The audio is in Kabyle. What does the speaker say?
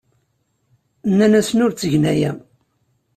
Nnan-asen ur ttgen aya.